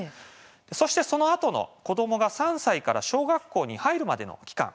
そしてそのあとの子どもが３歳から小学校に入るまでの期間